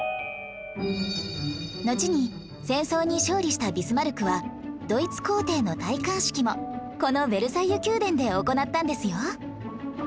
のちに戦争に勝利したビスマルクはドイツ皇帝の戴冠式もこのヴェルサイユ宮殿で行ったんですよ